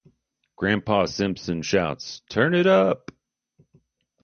Grampa Simpson shouts, Turn it up!